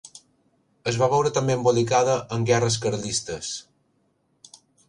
Es va veure també embolicada en Guerres Carlistes.